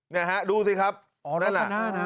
นี่ฮะดูสิครับอ๋อนั่นล่ะ